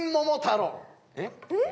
えっ？